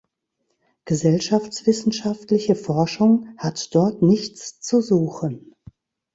Gesellschaftswissenschaftliche Forschung hat dort nichts zu suchen.